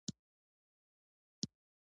او عقيدو علم ويل کېږي.